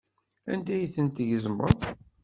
Anda ay tent-tgezmeḍ?